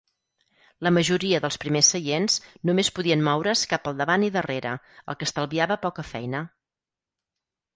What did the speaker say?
La majoria dels primers seients només podien moure's cap al davant i darrere, el que estalviava poca feina.